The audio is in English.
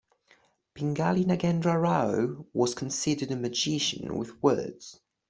Pingali Nagendra Rao was considered a magician with words.